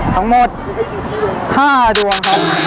ทั้งหมด๕ดวง